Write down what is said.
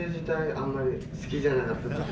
あんまり好きじゃなかったから。